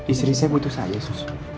istri saya butuh saja sus